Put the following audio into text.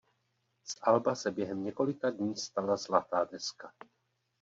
Z alba se během několika dní stala zlatá deska.